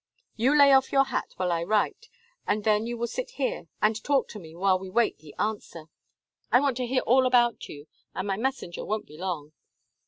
You lay off your hat while I write, and then you will sit here and talk to me while we wait the answer; I want to hear all about you, and my messenger won't be long."